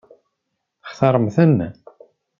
Textaṛem-ten?